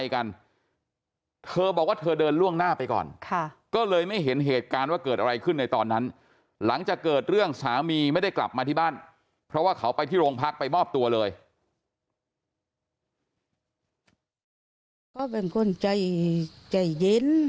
ค่ะก็เลยไม่เห็นเหตุการณ์ว่าเกิดอะไรขึ้นในตอนนั้นหลังจากเกิดเรื่องสามีไม่ได้กลับมาที่บ้านเพราะว่าเขาไปที่โรงพักไปบ้อบตัวเลย